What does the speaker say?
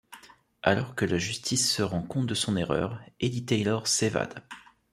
Alors que la justice se rend compte de son erreur, Eddie Taylor s'évade.